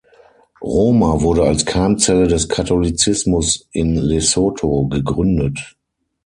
Roma wurde als Keimzelle des Katholizismus in Lesotho gegründet.